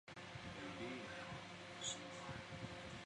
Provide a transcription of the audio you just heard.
范登堡反应作用产生紫红色的偶氮化合物。